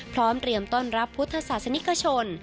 พร้อมเตรียมต้อนรับพุทธศาสนิกชน